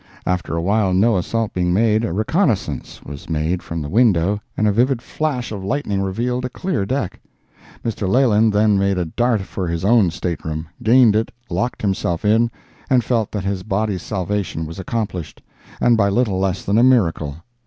After a while, no assault being made, a reconnoissance was made from the window and a vivid flash of lightning revealed a clear deck. Mr. Leland then made a dart for his own stateroom, gained it, locked himself in, and felt that his body's salvation was accomplished, and by little less than a miracle.